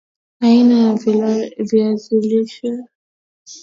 aina za viazi lishe